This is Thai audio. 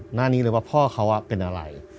หน้านี้เลยว่าพ่อเขาเป็นอะไร